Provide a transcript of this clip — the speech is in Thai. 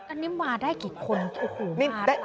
อันนี้มาได้กี่คนโอ้โฮมาได้กี่คน